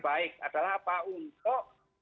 baik adalah untuk